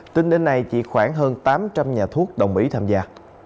tính đến nay chỉ khoảng hơn tám trăm linh nhà thuốc đồng ý tham gia